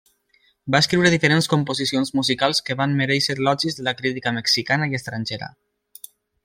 Va escriure diferents composicions musicals que van merèixer elogis de la crítica mexicana i estrangera.